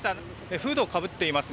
フードをかぶっていますね。